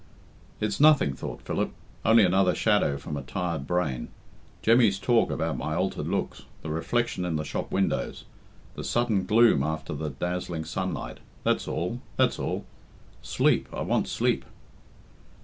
"It's nothing," thought Philip. "Only another shadow from a tired brain. Jemmy's talk about my altered looks the reflection in the shop windows the sudden gloom after the dazzling sunlight that's all, that's all. Sleep, I want sleep."